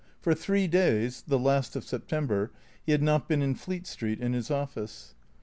For three days (the last of September) he had not been in Fleet Street, in his office.